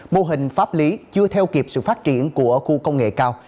mô hình pháp lý chưa theo kịp sự phát triển của khu công nghệ cao